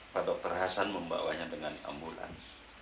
pak dr hasan membawanya dengan ambulans